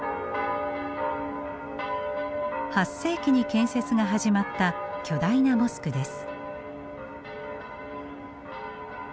８世紀に建設が始まった巨大なモスクです。